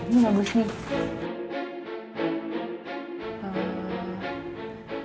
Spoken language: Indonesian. ini bagus nih